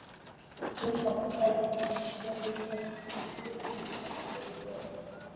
এরা চারটি দল যথা তামবুকিয়া, তুর্ক-পাঠান, কামাঞ্চি এবং রোহিঙ্গ্যা নামে পরিচিত।